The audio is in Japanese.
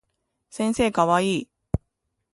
先生かわいい